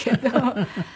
フフフフ。